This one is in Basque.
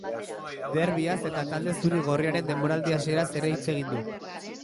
Derbiaz eta talde zuri-gorriaren denboraldi hasieraz ere hitz egin du.